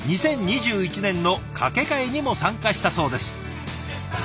２０２１年の架け替えにも参加したそうです。